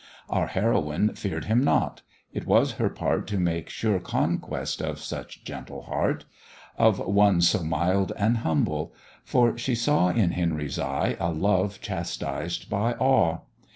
Our heroine fear'd him not; it was her part To make sure conquest of such gentle heart Of one so mild and humble; for she saw In Henry's eye a love chastised by awe.